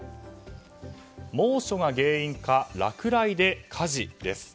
猛暑が原因か、落雷で火事です。